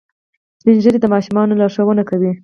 سپین ږیری د ماشومانو لارښوونه کوي